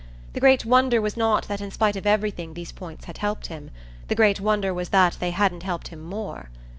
The great wonder was not that in spite of everything these points had helped him; the great wonder was that they hadn't helped him more.